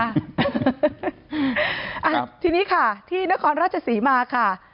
อ่ะทีนี้ค่ะที่นครราชศรีมาค่ะ